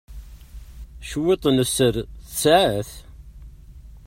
Cwiṭ n sser tesɛa-t.